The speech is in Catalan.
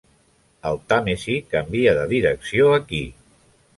El Tàmesi canvia de direcció aquí.